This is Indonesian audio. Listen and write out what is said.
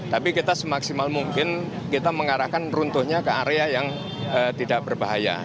tapi kita semaksimal mungkin kita mengarahkan runtuhnya ke area yang tidak berbahaya